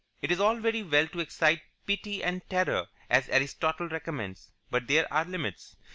It is all very well to excite pity and terror, as Aristotle recommends, but there are limits.